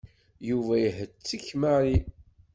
Yuba ihettek Mary.